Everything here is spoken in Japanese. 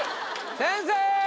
先生！